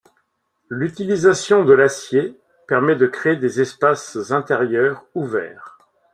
L'utilisation de l'acier permet de créer des espaces intérieurs ouverts.